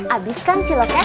abis kan ciloknya